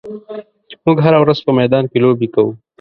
موږ هره ورځ په میدان کې لوبې کوو.